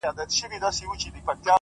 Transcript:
را سهید سوی ـ ساقي جانان دی ـ